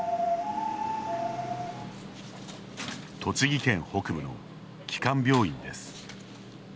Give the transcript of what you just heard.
栃木県北部の基幹病院です。